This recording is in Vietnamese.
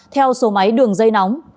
theo số máy đường dây nóng